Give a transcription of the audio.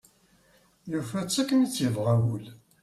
Yufa-tt akken i tt-yebɣa wul.